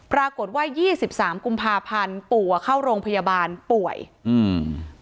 ปรากฏว่ายี่สิบสามกุมภาพันธุ์ปั่วเข้าโรงพยาบาลป่วยอืม